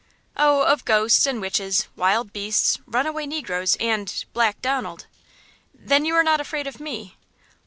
"Oh, of ghosts and witches, wild beasts, runaway negroes, and–Black Donald." "Then you are not afraid of me?"